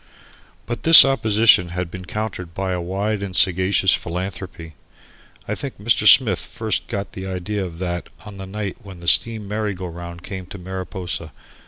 But this opposition had been countered by a wide and sagacious philanthropy. I think Mr. Smith first got the idea of that on the night when the steam merry go round came to Mariposa.